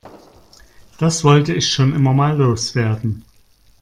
Das wollte ich schon immer mal loswerden.